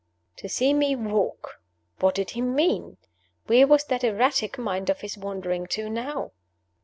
To see me walk! What did he mean? Where was that erratic mind of his wandering to now?